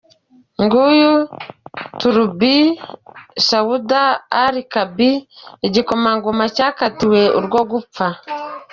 Nguyu Turki bin Saud al-Kabir, igikomangoma cyakatiwe urwo gupfa.